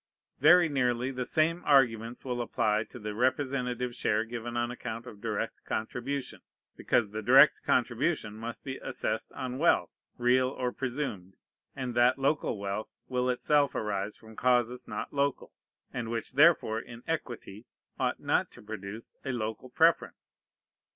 Very nearly the same arguments will apply to the representative share given on account of direct contribution: because the direct contribution must be assessed on wealth, real or presumed; and that local wealth will itself arise from causes not local, and which therefore in equity ought not to produce a local preference.